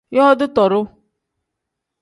Yooti tooru.